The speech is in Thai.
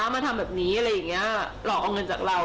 มาทำแบบนี้อะไรอย่างนี้หลอกเอาเงินจากเรา